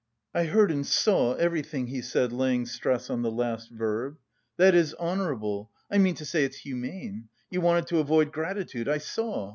"I heard and saw everything," he said, laying stress on the last verb. "That is honourable, I mean to say, it's humane! You wanted to avoid gratitude, I saw!